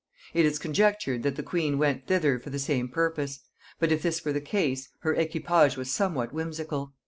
It is conjectured that the queen went thither for the same purpose; but if this were the case, her equipage was somewhat whimsical.